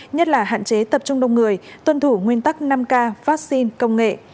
nhất là hạn chế tập trung đông người tuân thủ nguyên tắc năm k vaccine công nghệ